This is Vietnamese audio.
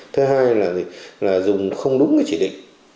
thứ hai là dùng không đúng cái chỉ định